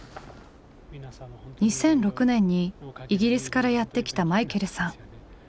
２００６年にイギリスからやって来たマイケルさん。